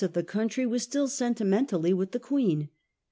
of the country was still sentimentally with the Queen.